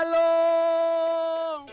dan dari jati diri suami